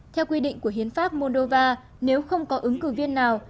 theo quy định của hiến pháp moldova nếu không có ứng cử viên nào